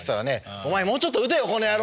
「お前もうちょっと打てよこの野郎」。